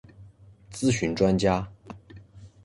咨询专家